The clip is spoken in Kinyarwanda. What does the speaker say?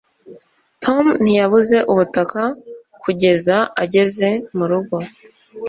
tom ntiyabuze umutaka kugeza ageze murugo